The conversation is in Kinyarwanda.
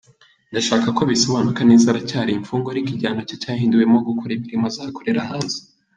Ndashaka ko bisobanuka neza, aracyari imfungwa ariko igihano cye cyahinduwemo gukora imirimo azakorera hanze.”